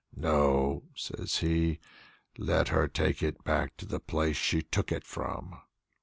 "No," says he, "let her take it back to the place she took it from."